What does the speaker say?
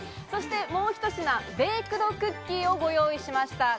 そしてもうひと品、ベイクドクッキーをご用意しました。